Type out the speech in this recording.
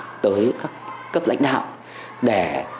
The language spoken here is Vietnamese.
để tự đánh giá các cấp lãnh đạo để tự đánh giá các cấp lãnh đạo